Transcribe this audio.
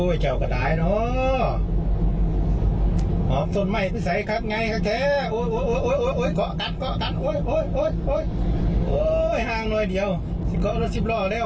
อย่าโถ่อี๊ยยยยเทศฟ้อนสิขุนไปใส่